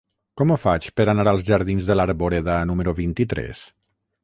Com ho faig per anar als jardins de l'Arboreda número vint-i-tres?